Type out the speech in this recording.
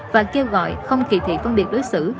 và kêu gọi không kỳ thị phân biệt đối xử